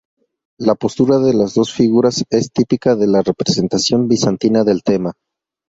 La postura de las dos figuras es típica de la representación bizantina del tema.